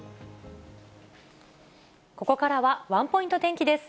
ここからは、ワンポイント天気です。